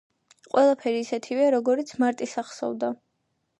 ყველაფერი ისეთივეა, როგორიც მარტის ახსოვდა.